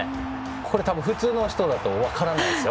これ、普通の人だと分からないですよ。